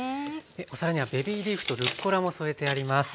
お皿にはベビーリーフとルッコラも添えてあります。